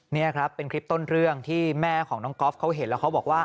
นี่ครับเป็นคลิปต้นเรื่องที่แม่ของน้องก๊อฟเขาเห็นแล้วเขาบอกว่า